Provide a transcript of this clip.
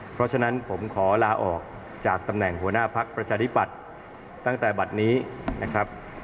เพราะฉะนั้นผมขอลาออกจากตำแหน่งหัวหน้าพักประชาธิปัตย์ตั้งแต่บัตรนี้นะครับ